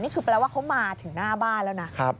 แปลว่าเขามาถึงหน้าบ้านแล้วนะ